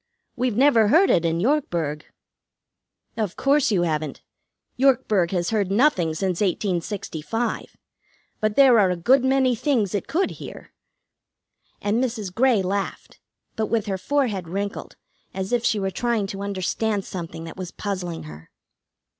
We've never heard it in Yorkburg." "Of course you haven't. Yorkburg has heard nothing since 1865. But there are a good many things it could hear." And Mrs. Grey laughed, but with her forehead wrinkled, as if she were trying to understand something that was puzzling her.